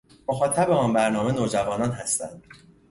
مخاطب آن برنامه، نوجوانان هستند